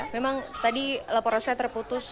memang tadi laporan saya terputus